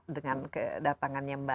dengan kedatangannya mbak